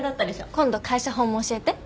今度会社法も教えて。